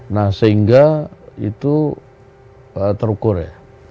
nah sehingga itu terukur ya